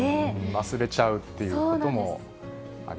忘れちゃうっていうこともあ